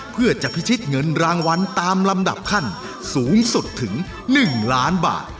เพื่อจะพิชิตเงินรางวัลตามลำดับขั้นสูงสุดถึง๑ล้านบาท